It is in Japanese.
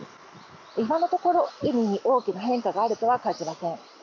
今のところ、海に大きな変化があるとは感じません。